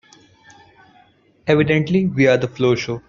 Evidently we're the floor show.